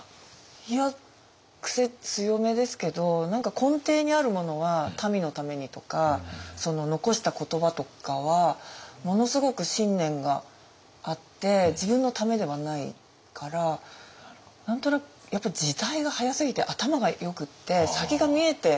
いやクセ強めですけど何か根底にあるものは民のためにとかその残した言葉とかはものすごく信念があって自分のためではないから何となく時代が早すぎて頭がよくって先が見えて。